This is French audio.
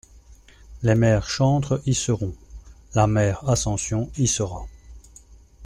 Les mères chantres y seront, la mère Ascension y sera.